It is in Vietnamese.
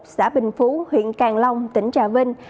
xã bình phú huyện càng long tỉnh trà vinh